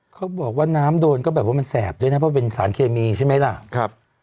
เขาบอกว่าน้ำโดนก็แบบว่ามันแสบด้วยนะเพราะเป็นสารเคมีใช่ไหมล่ะครับ